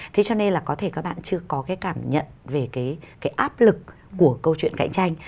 thế cho nên là có thể các bạn chưa có cái cảm nhận về cái áp lực của câu chuyện cạnh tranh